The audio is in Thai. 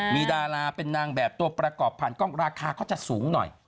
มีดาราเป็นนางแบบตัวประกอบผ่านกล้องราคาก็จะสูงหน่อย